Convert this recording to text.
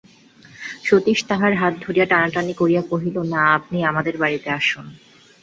সতীশ তাহার হাত ধরিয়া টানাটানি করিয়া কহিল, না, আপনি আমাদের বাড়িতে আসুন।